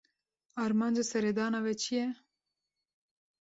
Armanca seredana we çi ye?